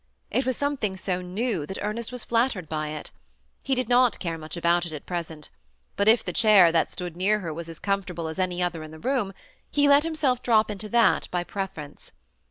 It was something so new, that Er nest was flattered by it. He did not care much about it at present ; but if the chair that stood near her was as comfortable as any other in the room, he let himself drop into that by preference.